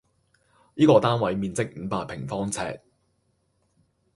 依個單位面積五百平方尺